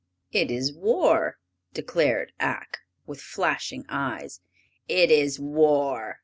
"It is war!" declared Ak, with flashing eyes. "It is war!"